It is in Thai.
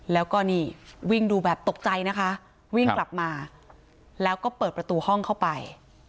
แล้วก็นี่วิ่งดูแบบตกใจนะคะวิ่งกลับมาแล้วก็เปิดประตูห้องเข้าไป